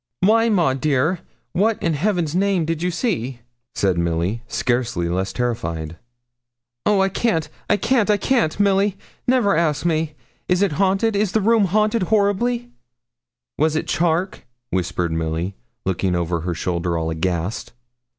'Why, Maud dear, what, in Heaven's name, did you see?' said Milly, scarcely less terrified. 'Oh, I can't; I can't; I can't, Milly. Never ask me. It is haunted. The room is haunted horribly.' 'Was it Charke?' whispered Milly, looking over her shoulder, all aghast.